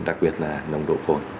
đặc biệt là nồng độ cồn